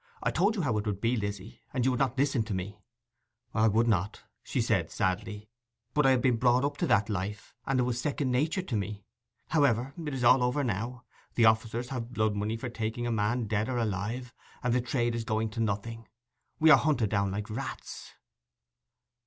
I told you how it would be, Lizzy, and you would not listen to me.' 'I would not,' she said sadly. 'But I had been brought up to that life; and it was second nature to me. However, it is all over now. The officers have blood money for taking a man dead or alive, and the trade is going to nothing. We were hunted down like rats.